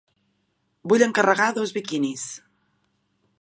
Vull encarregar dos biquinis.